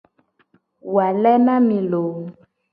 Wale na mi loo.